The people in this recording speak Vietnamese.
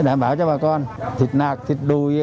đảm bảo cho bà con thịt nạc thịt đùi